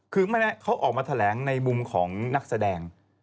คือเขาออกมาแถลงในมุมของนักแสดง